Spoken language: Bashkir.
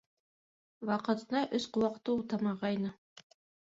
Ваҡытында өс ҡыуаҡты утамағайны...